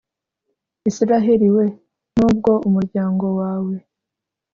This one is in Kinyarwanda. Israheli we! N’ubwo umuryango wawe